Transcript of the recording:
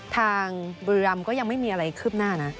ทางบริรัมณ์ก็ยังไม่มีอะไรขึ้นหน้านะ